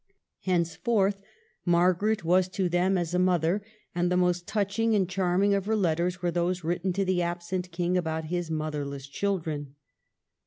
Henceforth Margaret was to them as a mother ; and the most touching and charming of her letters are those written to the absent King about his motherless children.